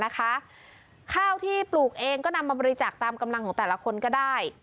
ข้าวที่ปลูกเองก็นำมาบริจาคตามกำลังของแต่ละคนก็ได้